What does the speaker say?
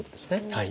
はい。